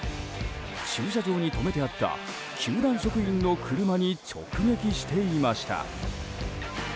駐車場に止めてあった球団職員の車に直撃していました。